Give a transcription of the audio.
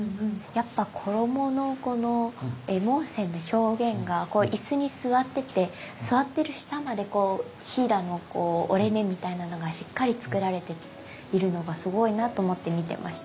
やっぱ衣のこの衣文線の表現が椅子に座ってて座ってる下までひだの折れ目みたいなのがしっかりつくられているのがすごいなと思って見てました。